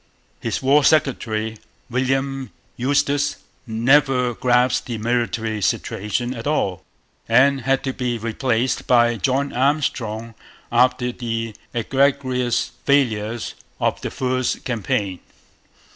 His war secretary, William Eustis, never grasped the military situation at all, and had to be replaced by John Armstrong after the egregious failures of the first campaign.